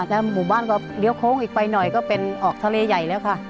แล้วหมู่บ้านก็เลี้ยวโค้งอีกไปหน่อยก็เป็นออกทะเลใหญ่แล้วค่ะ